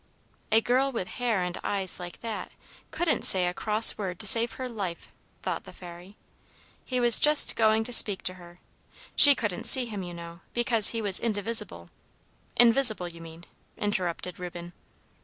"'A girl with hair and eyes like that couldn't say a cross word to save her life,' thought the Fairy. He was just going to speak to her. She couldn't see him, you know, because he was indivisible " "'Invisible,' you mean," interrupted Reuben.